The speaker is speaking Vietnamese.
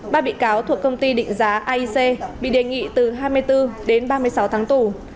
ba bị cáo thuộc công ty định giá aic bị đề nghị từ hai mươi bốn đến ba mươi sáu tháng tù